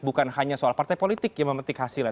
bukan hanya soal partai politik yang memetik hasilnya